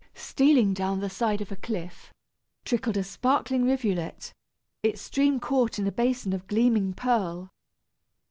Stealing down the side of the cliff, trickled a sparkling rivulet, its stream caught in a basin of gleaming pearl.